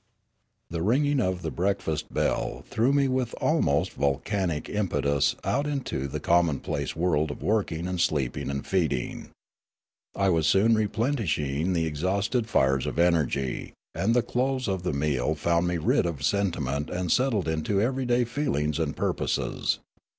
The ringing of the breakfast bell threw me with al most volcanic impetus out into the commonplace world of working and sleeping and feeding. I was soon re plenishing the exhausted fires of energ}', and the close of the meal found me rid of sentiment and settled into ev^eryday feelings and purposes.